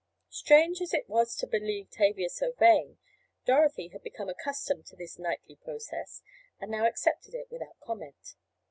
Strange as it was to believe Tavia so vain, Dorothy had become accustomed to this nightly process, and now accepted it without comment.